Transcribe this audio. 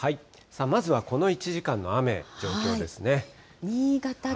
まずはこの１時間の雨の状況ですね。